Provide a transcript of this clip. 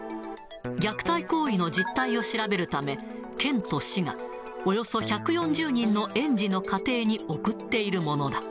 虐待行為の実態を調べるため、県と市がおよそ１４０人の園児の家庭に送っているものだ。